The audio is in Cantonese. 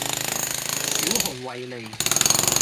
小熊維尼